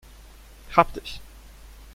Hab dich!